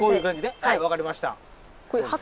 はいわかりました。